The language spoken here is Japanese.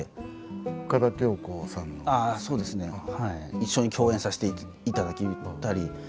一緒に共演させていただけたり。